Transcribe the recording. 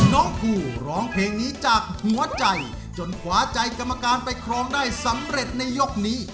น้องภูร้องเพลงนี้จากหัวใจจนขวาใจกรรมการไปครองได้สำเร็จในยกนี้